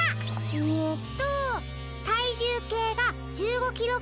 えっと。